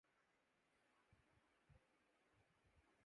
ہاں بھلا کر ترا بھلا ہوگا